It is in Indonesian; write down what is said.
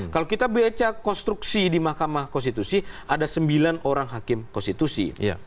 kalau kita baca konstruksi di mahkamah konstitusi ada sembilan orang hakim konstitusi